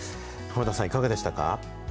濱田さん、いかがでしたか？